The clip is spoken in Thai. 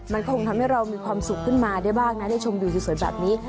มันคงทำให้เรามีความสุขขึ้นมาได้บ้างนะได้ชมวิวสวยแบบนี้